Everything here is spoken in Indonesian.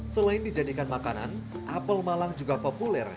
selain dijadikan makanan apel malang juga populer